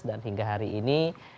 dan hingga hari ini